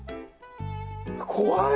怖い！